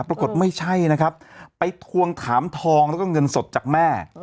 ปรากฏไม่ใช่นะครับไปทวงถามทองแล้วก็เงินสดจากแม่